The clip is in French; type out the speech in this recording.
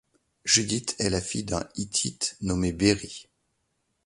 Judith est la fille d'un Hittite nommé Beéri.